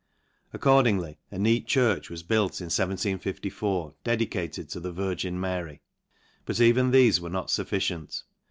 Accordingly, a neat church was built, in 1754, dedicated to the Virgin Mary. But even thefc were not fufficient.